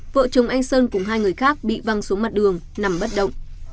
vợ chồng anh sơn cùng hai người khác bị văng xuống mặt đường nằm bất động